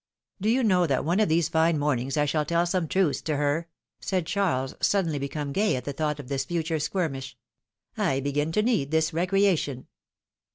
^^Do you know that one of these fine mornings I shall tell some truths to her?^^ said Charles, suddenly become gay at the thought of this future skirmish. I begin to need this recreation.